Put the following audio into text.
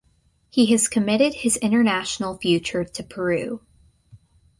He has committed his international future to Peru.